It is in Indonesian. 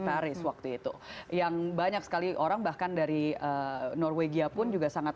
paris waktu itu yang banyak sekali orang bahkan dari norwegia pun juga sangat